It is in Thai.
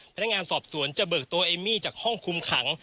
พนักงานสอบสวนจะเบิกตัวเอมมี่จากห้องคุมขัง